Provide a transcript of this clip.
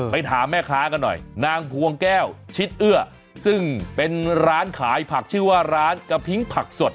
ถามแม่ค้ากันหน่อยนางพวงแก้วชิดเอื้อซึ่งเป็นร้านขายผักชื่อว่าร้านกะพิ้งผักสด